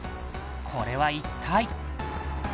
これは一体？